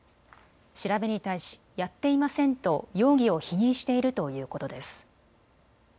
調べに対しやっていませんと容疑を否認しているということです。